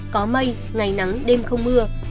có mây ngày nắng đêm không mưa